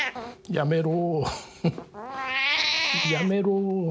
やめろ。